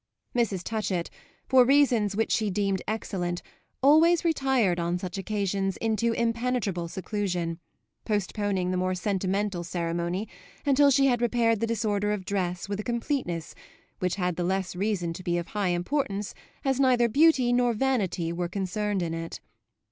Mrs. Touchett, for reasons which she deemed excellent, always retired on such occasions into impenetrable seclusion, postponing the more sentimental ceremony until she had repaired the disorder of dress with a completeness which had the less reason to be of high importance as neither beauty nor vanity were concerned in it.